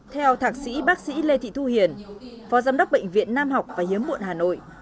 theo thạc sĩ bác sĩ lê thị thu hiền phó giám đốc bệnh viện nam học và hiếm muộn hà nội